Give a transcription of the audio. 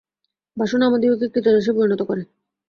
বাসনা আমাদিগকে ক্রীতদাসে পরিণত করে।